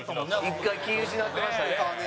１回気ぃ失ってましたね。